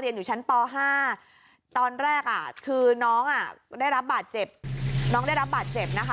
เรียนอยู่ชั้นป๕ตอนแรกคือน้องได้รับบาดเจ็บน้องได้รับบาดเจ็บนะคะ